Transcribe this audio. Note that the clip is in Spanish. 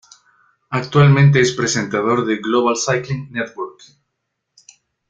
Actualmente es presentador de Global Cycling Network.